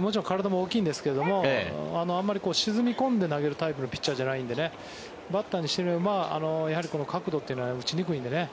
もちろん体も大きいんですけれどもあまり沈み込んで投げるタイプのピッチャーじゃないのでバッターにしてみれば角度というのは打ちにくいんでね